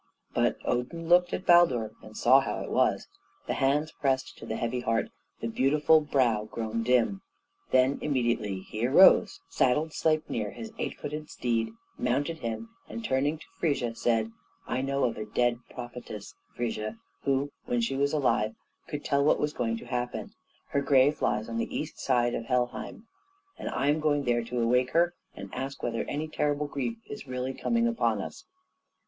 But Odin looked at Baldur, and saw how it was. The hands pressed to the heavy heart, the beautiful brow grown dim. Then immediately he arose, saddled Sleipnir, his eight footed steed, mounted him, and, turning to Frigga, said, "I know of a dead prophetess, Frigga, who, when she was alive, could tell what was going to happen; her grave lies on the east side of Helheim, and I am going there to awake her, and ask whether any terrible grief is really coming upon us."